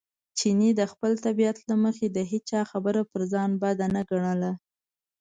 چیني د خپلې طبیعت له مخې د هېچا خبره پر ځان بد نه ګڼله.